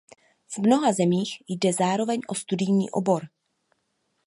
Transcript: V mnoha zemích jde zároveň o studijní obor.